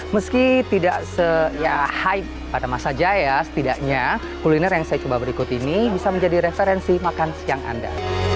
meski tidak se hype pada masa jaya setidaknya kuliner yang saya coba berikut ini bisa menjadi referensi makan siang anda